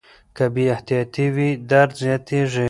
که بې احتیاطي وي درد زیاتېږي.